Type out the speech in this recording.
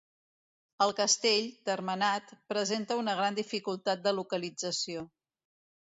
El castell, termenat, presenta una gran dificultat de localització.